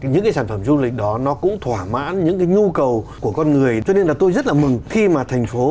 những cái sản phẩm du lịch đó nó cũng thỏa mãn những cái nhu cầu của con người cho nên là tôi rất là mừng khi mà thành phố